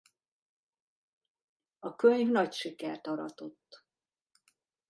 A könyv nagy sikert aratott.